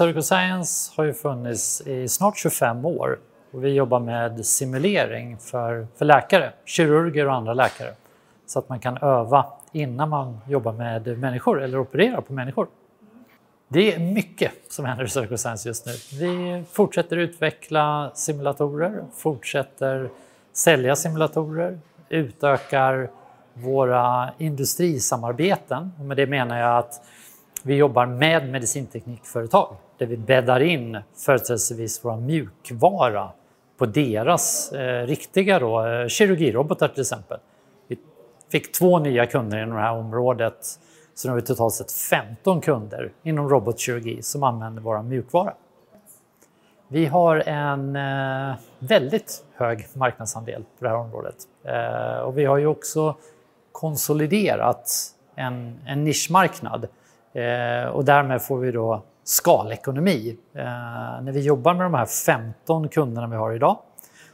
Surgical Science har ju funnits i snart tjugofem år och vi jobbar med simulering för läkare, kirurger och andra läkare, så att man kan öva innan man jobbar med människor eller opererar på människor. Det är mycket som händer i Surgical Science just nu. Vi fortsätter utveckla simulatorer, fortsätter sälja simulatorer, utökar våra industrisamarbeten. Med det menar jag att vi jobbar med medicinteknikföretag, där vi bäddar in förutsättvis vår mjukvara på deras riktiga kirurgirobotar till exempel. Vi fick två nya kunder inom det här området, så nu har vi totalt sett femton kunder inom robotkirurgi som använder vår mjukvara. Vi har en väldigt hög marknadsandel på det här området. Vi har ju också konsoliderat en nischmarknad och därmed får vi då skalekonomi. När vi jobbar med de här femton kunderna vi har idag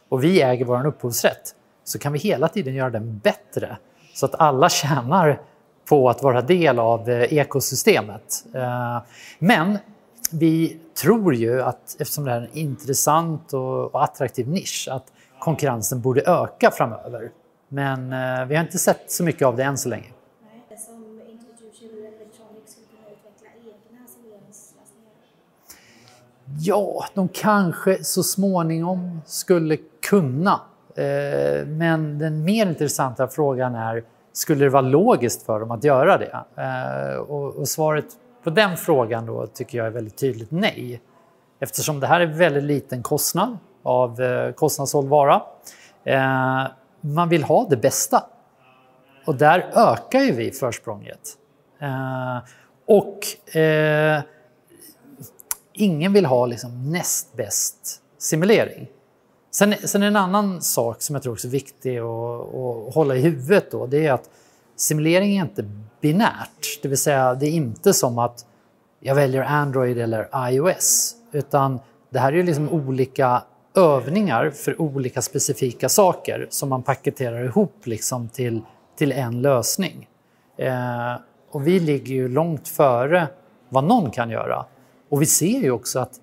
och vi äger vår upphovsrätt, så kan vi hela tiden göra den bättre så att alla tjänar på att vara del av ekosystemet. Men vi tror ju att eftersom det är en intressant och attraktiv nisch, att konkurrensen borde öka framöver, men vi har inte sett så mycket av det än så länge. Som Intuitive eller Medtronic skulle kunna utveckla egna simuleringslösningar? Ja, de kanske så småningom skulle kunna, men den mer intressanta frågan är, skulle det vara logiskt för dem att göra det? Och svaret på den frågan då tycker jag är väldigt tydligt nej, eftersom det här är väldigt liten kostnad av kostnad såld vara. Man vill ha det bästa och där ökar ju vi försprånget. Ingen vill ha liksom näst bäst simulering. Sen är en annan sak som jag tror också är viktig och hålla i huvudet då, det är att simulering är inte binärt. Det vill säga, det är inte som att jag väljer Android eller iOS, utan det här är ju liksom olika övningar för olika specifika saker som man paketerar ihop liksom till en lösning. Vi ligger ju långt före vad någon kan göra. Vi ser ju också att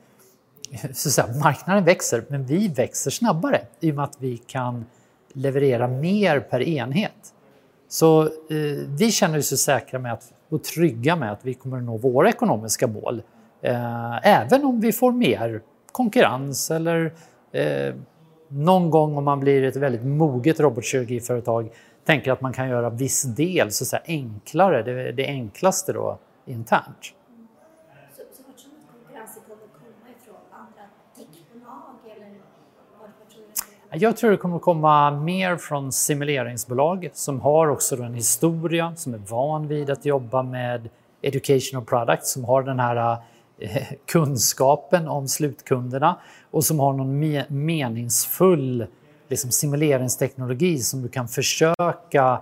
marknaden växer, men vi växer snabbare i och med att vi kan leverera mer per enhet. Vi känner oss säkra med och trygga med att vi kommer att nå våra ekonomiska mål, även om vi får mer konkurrens eller någon gång om man blir ett väldigt moget robotkirurgiföretag, tänker att man kan göra viss del enklare, det enklaste då internt. Så var tror du konkurrensen kommer att komma ifrån? Andra teknik eller var tror du? Jag tror det kommer att komma mer från simuleringsbolag som har också en historia, som är van vid att jobba med educational products, som har den här kunskapen om slutkunderna och som har någon meningsfull simuleringsteknologi som du kan försöka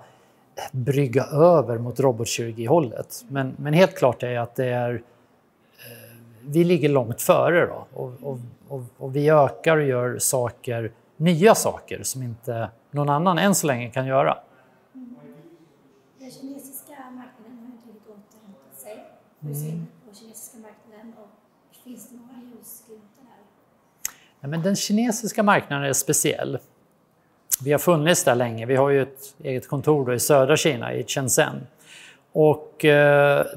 brygga över mot robotkirurgihållet. Men helt klart är att vi ligger långt före då och vi ökar och gör saker, nya saker som inte någon annan än så länge kan göra. Den kinesiska marknaden har inte riktigt återhämtat sig. Hur ser på den kinesiska marknaden och finns det några ljusglimtar där? Nej, men den kinesiska marknaden är speciell. Vi har funnits där länge, vi har ju ett eget kontor i södra Kina, i Shenzhen.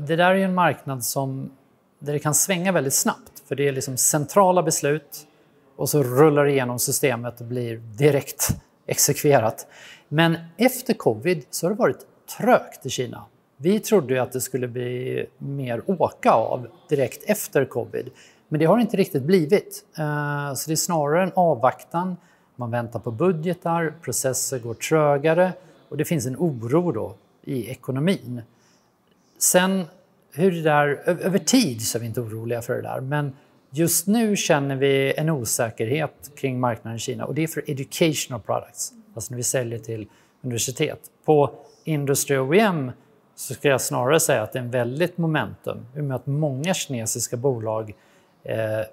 Det där är en marknad som, där det kan svänga väldigt snabbt, för det är liksom centrala beslut och så rullar det igenom systemet och blir direkt exekverat. Men efter Covid så har det varit trögt i Kina. Vi trodde ju att det skulle bli mer åka av direkt efter Covid, men det har inte riktigt blivit. Så det är snarare en avvaktan. Man väntar på budgetar, processer går trögare och det finns en oro då i ekonomin. Sen, hur det där, över tid så är vi inte oroliga för det där, men just nu känner vi en osäkerhet kring marknaden i Kina och det är för educational products, alltså när vi säljer till universitet. På Industry OEM så skulle jag snarare säga att det är en väldigt momentum i och med att många kinesiska bolag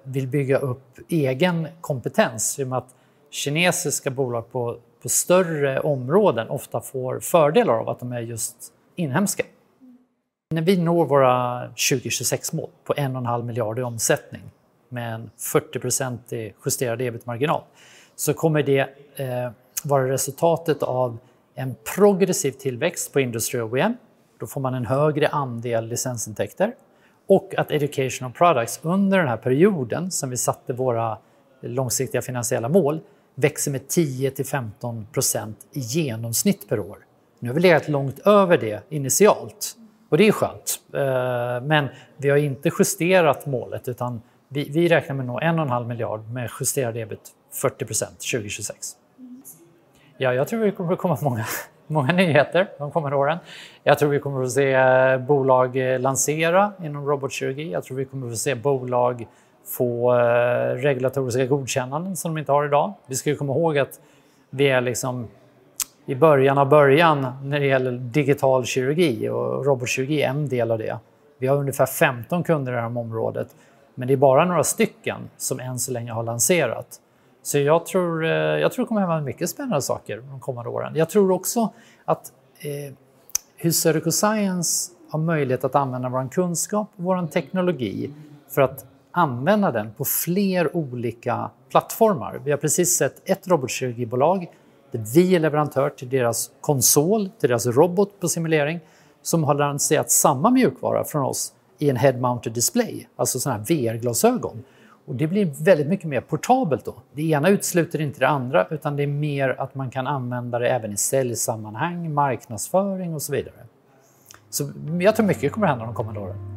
vill bygga upp egen kompetens i och med att kinesiska bolag på större områden ofta får fördelar av att de är just inhemska. När vi når våra 2026 mål på 1,5 miljarder i omsättning med en 40% justerad EBIT-marginal, så kommer det vara resultatet av en progressiv tillväxt på Industry OEM. Då får man en högre andel licensintäkter och att Educational Products under den här perioden, som vi satte våra långsiktiga finansiella mål, växer med 10 till 15% i genomsnitt per år. Nu har vi legat långt över det initialt och det är skönt, men vi har inte justerat målet, utan vi räknar med att nå 1,5 miljarder med justerad EBIT 40% 2026. Ja, jag tror det kommer att komma många, många nyheter de kommande åren. Jag tror vi kommer att få se bolag lansera inom robotkirurgi. Jag tror vi kommer att få se bolag få regulatoriska godkännanden som de inte har idag. Vi ska ju komma ihåg att vi är liksom i början av början när det gäller digital kirurgi och robotkirurgi är en del av det. Vi har ungefär 15 kunder i det här området, men det är bara några stycken som än så länge har lanserat. Så jag tror, jag tror det kommer att hända mycket spännande saker de kommande åren. Jag tror också att hur Surgical Science har möjlighet att använda vår kunskap och vår teknologi för att använda den på fler olika plattformar. Vi har precis sett ett robotkirurgibolag, där vi är leverantör till deras konsol, till deras robot på simulering, som har lanserat samma mjukvara från oss i en head mounted display, alltså sådana här VR-glasögon. Det blir väldigt mycket mer portabelt då. Det ena utesluter inte det andra, utan det är mer att man kan använda det även i säljsammanhang, marknadsföring och så vidare. Jag tror mycket kommer hända de kommande åren.